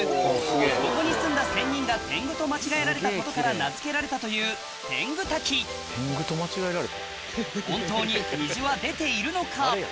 ここに住んだ仙人が天狗と間違えられたことから名付けられたという本当に虹は出ているのか？